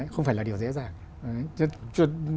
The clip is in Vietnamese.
không phải là điều dễ dàng